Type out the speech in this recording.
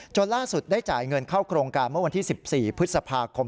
ล่าสุดได้จ่ายเงินเข้าโครงการเมื่อวันที่๑๔พฤษภาคม